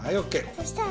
そしたら？